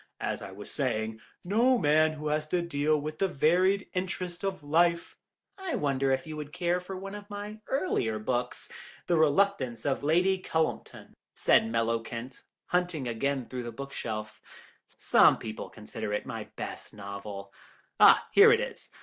As I was saying, no man who has to deal with the varied interests of life—" "I wonder if you would care for one of my earlier books, The Reluctance of Lady Cullumpton," said Mellowkent, hunting again through the bookshelf; "some people consider it my best novel. Ah, here it is.